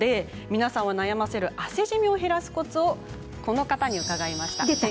皆さんを悩ませる汗じみを減らすコツをこの方に伺いました。